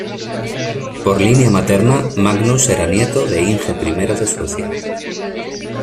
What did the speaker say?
Por línea materna, Magnus era nieto de Inge I de Suecia.